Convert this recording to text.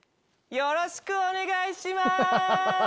よろしくお願いします！